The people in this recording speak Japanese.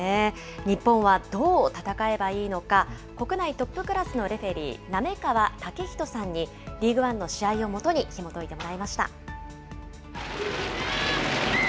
日本はどう戦えばいいのか、国内トップクラスのレフェリー、滑川剛人さんに、リーグワンの試合をもとにひもといてもらいました。